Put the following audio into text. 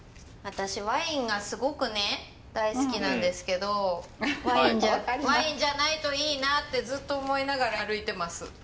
私ワインがすごくね大好きなんですけどワインじゃないといいなってずっと思いながら歩いてます。